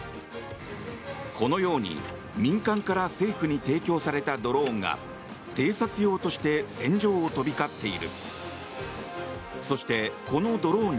このように民間から政府に提供されたドローンが偵察用として戦場を飛び交っている。